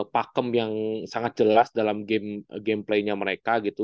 pakem yang sangat jelas dalam gameplaynya mereka gitu